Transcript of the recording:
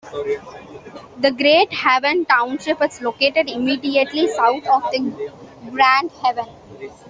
The Grand Haven Township is located immediately south of the Grand Haven.